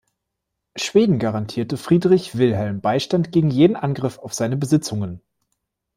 Schweden garantierte Friedrich Wilhelm Beistand gegen jeden Angriff auf seine Besitzungen.